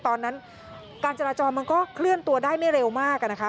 ตอนนั้นการจราจรมันก็เคลื่อนตัวได้ไม่เร็วมากนะคะ